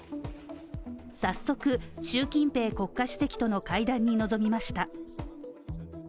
早速、習近平国家主席との会談に臨みました。